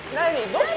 どっち？